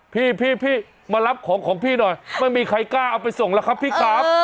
พี่มารับของของพี่หน่อยไม่มีใครกล้าเอาไปส่งแล้วครับพี่ครับ